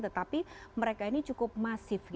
tetapi mereka ini cukup masif gitu ya